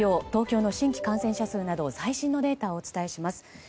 東京の新規感染者数など最新のデータをお伝えします。